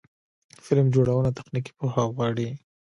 فلم جوړونه تخنیکي پوهه غواړي.